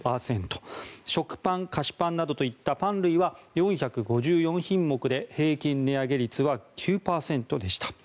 食パン菓子パンなどといったパン類は４５４品目で平均値上げ率は９％でした。